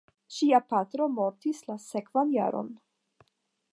Ŝia patro mortis la sekvan jaron.